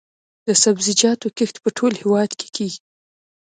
د سبزیجاتو کښت په ټول هیواد کې کیږي